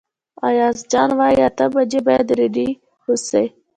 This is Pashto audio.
ایاز جان وايي اته بجې باید رېډي اوسئ.